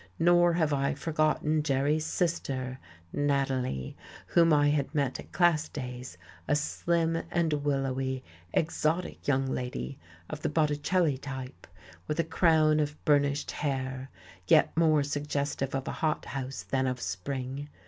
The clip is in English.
Nor have I forgotten Jerry's sister, Nathalie, whom I had met at Class Days, a slim and willowy, exotic young lady of the Botticelli type, with a crown of burnished hair, yet more suggestive of a hothouse than of spring.